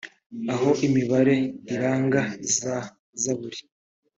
aho imibare iranga za zaburi